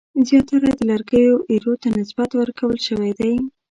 زیاتره د لرګیو ایرو ته نسبت ورکول شوی دی.